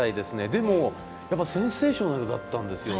でもやっぱりセンセーショナルだったんですよ。